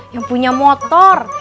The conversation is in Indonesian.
yang punya motor